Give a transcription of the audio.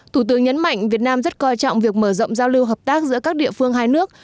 thủ tướng nhấn mạnh việt nam rất coi trọng việc mở rộng giao lưu hợp tác giữa các địa phương hai nước